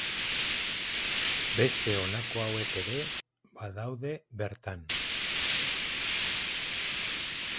Beste honako hauek ere badaude bertan.